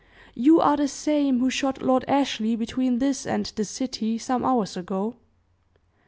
"You are the same who shot Lord Ashley between this and the city, some hours ago?"